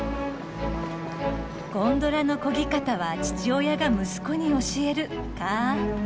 ゴンドラのこぎ方は父親が息子に教えるか。